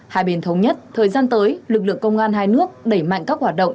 hai bên thống nhất thời gian tới lực lượng công an hai nước đẩy mạnh các hoạt động